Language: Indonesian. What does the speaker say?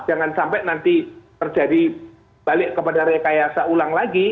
jangan sampai nanti terjadi balik kepada rekayasa ulang lagi